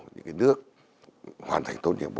những nước hoàn thành tốt nhiệm vụ